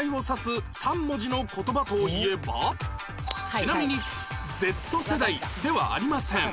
ちなみに Ｚ 世代ではありません